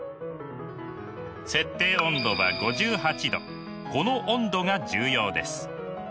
設定温度はこの温度が重要です。